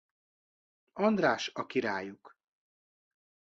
András a királyuk.